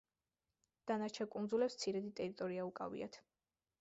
დანარჩენ კუნძულებს მცირედი ტერიტორია უკავიათ.